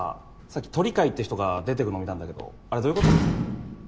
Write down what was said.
さっき鳥飼って人が出てくの見たんだけどあれどういうこと？